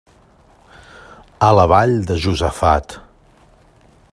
A la vall de Josafat.